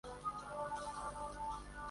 Saa hii imeharibika.